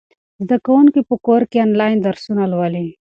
زده کوونکي په کور کې آنلاین درسونه لولي.